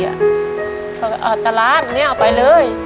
เขาก็เอาตลาดนี้เอาไปเลย